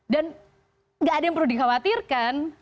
dan gak ada yang perlu dikhawatirkan